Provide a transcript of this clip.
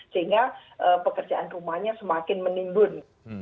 sehingga pekerjaan rumahnya semakin menimbun